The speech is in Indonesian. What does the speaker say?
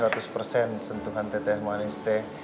tentukan teteh maris teh